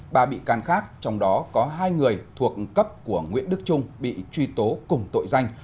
ba bị can khác trong đó có hai người thuộc cấp của nguyễn đức trung bị truy tố cùng tội danh